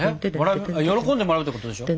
喜んでもらうってことでしょ？